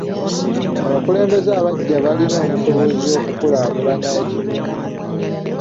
Abakulembeze abaggya balina obusobozi okukulaakulanya ekitundu.